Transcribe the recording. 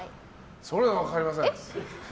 それは分かりません。